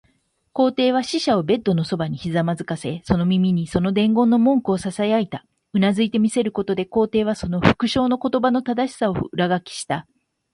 皇帝は使者をベッドのそばにひざまずかせ、その耳にその伝言の文句をささやいた。うなずいて見せることで、皇帝はその復誦の言葉の正しさを裏書きした。